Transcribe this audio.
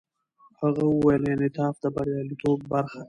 هغه وویل، انعطاف د بریالیتوب برخه ده.